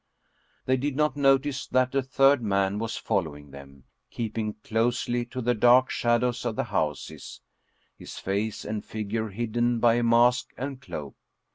They did not notice that a third man was following them, keeping closely to the dark shad ows of the houses, his face and figure hidden by mask and cloak.